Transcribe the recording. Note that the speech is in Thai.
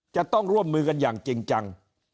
จะต้องร่วมมือกันอย่างจริงจัง